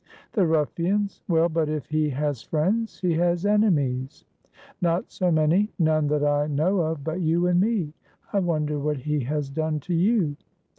"The ruffians. Well, but if he has friends he has enemies." "Not so many; none that I know of but you and me. I wonder what he has done to you?"